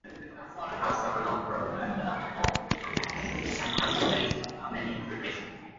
It holds several patents and has released many publications.